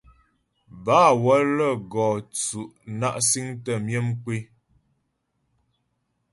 Bâ wə́lə́ gɔ tsʉ' na' siŋtə myə mkwé.